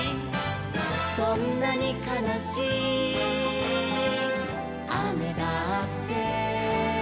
「どんなにかなしいあめだって」